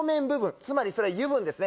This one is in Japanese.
つまりそれは油分ですね